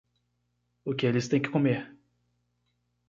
O que eles têm que comer?